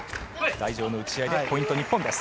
台上の打ち合いでポイント、日本です。